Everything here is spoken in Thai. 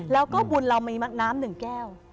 แล้วก็บุญเรามีน้ำหนึ่งแก้ว